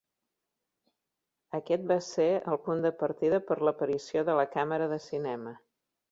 Aquest va ser el punt de partida per l'aparició de la Càmera de cinema.